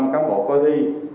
cán bộ coi thi